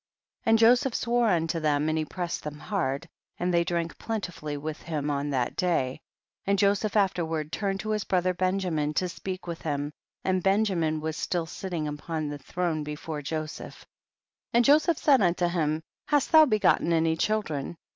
16. And Joseph swore unto them, and he pressed them hard, and they drank plentifully with him on that day, and Joseph afterward turned to his brother Benjamin to speak with him, and Benjamin was still sitting upon the throne before Joseph. 17. And Joseph said unto him, hast thou begotten any children